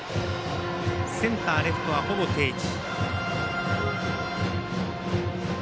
センター、レフトは、ほぼ定位置。